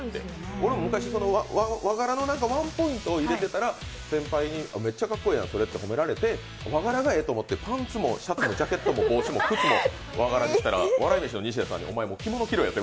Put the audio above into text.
俺も昔、和柄のワンポイント入れてたら先輩に、めっちゃかっこいいやん、それって褒められてパンツもシャツもジャケットも和柄にしたら、笑い飯の西田さんにお前、着物にしろよって。